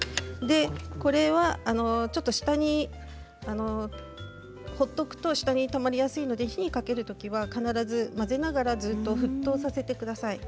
これは放っておくと下にたまりやすいので火にかけるときは必ず混ぜながらずっと沸騰させてください。